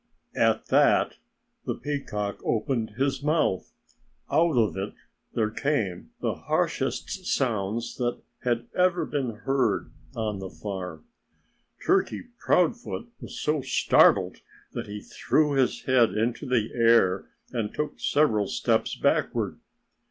At that the peacock opened his mouth. Out of it there came the harshest sounds that had ever been heard on the farm. Turkey Proudfoot was so startled that he threw his head into the air and took several steps backward.